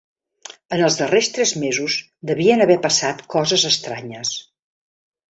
En els darrers tres mesos devien haver passat coses estranyes.